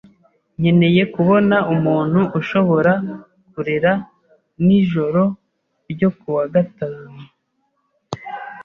Nkeneye kubona umuntu ushobora kurera nijoro ryo kuwa gatanu.